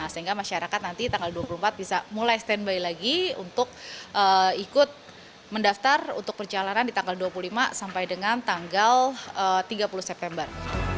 sehingga masyarakat nanti tanggal dua puluh empat bisa mulai standby lagi untuk ikut mendaftar untuk perjalanan di tanggal dua puluh lima sampai dengan tanggal tiga puluh september